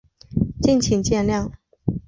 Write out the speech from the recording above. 敬请见谅